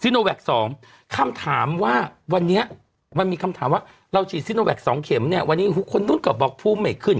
โนแวค๒คำถามว่าวันนี้มันมีคำถามว่าเราฉีดซิโนแวค๒เข็มเนี่ยวันนี้คนนู้นก็บอกภูมิไม่ขึ้น